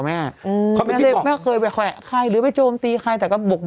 แม่อืมไม่เคยไปแขวะใครหรือไปโจมตีใครแต่ก็บุก